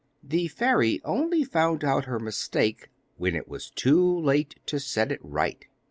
The fairy only found out her mistake when it was too late to set it right.